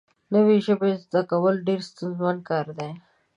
نوې ژبه زده کول ډېر ستونزمن کار دی